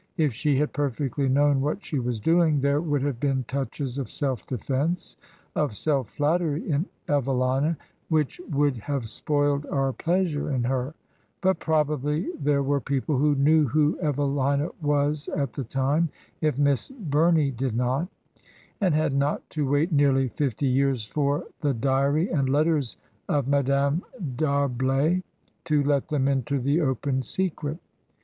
If she had perfectly known what she was doing, there would have been touches of self defence, of self flattery in Evelina which would have spoiled our pleasure in her; but probably* there were people who knew who Evelina was at the* time, if Miss Bumey did not, and had not to wait 'neairly fifty years for the "Diary and Letters of Mme. D'Arblay" to let them into the open secret.